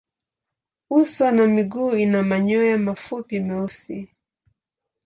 Uso na miguu ina manyoya mafupi meusi.